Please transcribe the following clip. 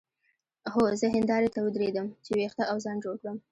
هو زه هندارې ته ودرېدم چې وېښته او ځان جوړ کړم.